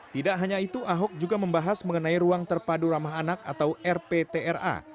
tidak hanya itu ahok juga membahas mengenai ruang terpadu ramah anak atau rptra